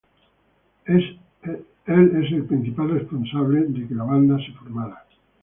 Él es el principal responsable de que la banda se formara.